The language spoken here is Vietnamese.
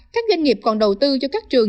các doanh nghiệp còn đầu tư cho các trường